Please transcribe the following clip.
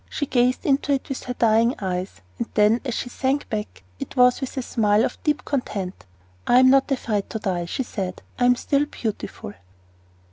She gazed into it with her dying eyes; and then, as she sank back, it was with a smile of deep content. "I am not afraid to die," she said. "I am still beautiful!"